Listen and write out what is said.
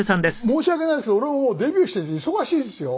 申し訳ないんですけど俺ももうデビューしてて忙しいんですよ？